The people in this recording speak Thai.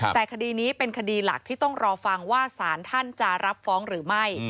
แต่คดีนี้เป็นคดีหลักที่ต้องรอฟังว่าสารท่านจะรับฟ้องหรือไม่